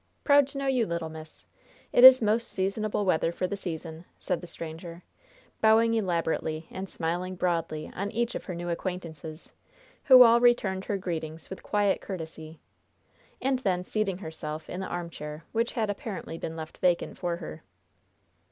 Proud to know you, little miss. It is most seasonable weather for the season," said the stranger, bowing elaborately and smiling broadly on each of her new acquaintances who all returned her greetings with quiet courtesy and then seating herself in the armchair which had apparently been left vacant for her.